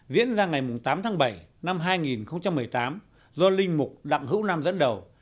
diễn ra ngày tám tháng bảy năm hai nghìn một mươi tám do linh mục đặng hữu nam dẫn đầu